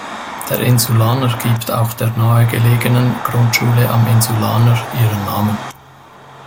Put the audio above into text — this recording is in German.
Der Insulaner gibt auch der nahegelegenen "Grundschule am Insulaner" ihren Namen.